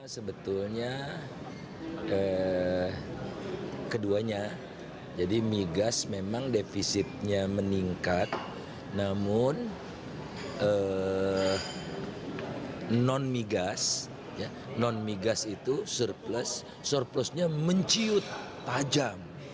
sebetulnya keduanya jadi migas memang defisitnya meningkat namun non migas non migas itu surplusnya menciut tajam